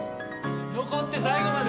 残って最後まで！